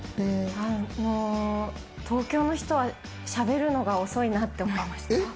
東京の人はしゃべるのが遅いなと思いました。